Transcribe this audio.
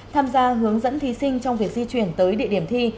tham gia hướng dẫn thí sinh trong việc di chuyển tới địa điểm thi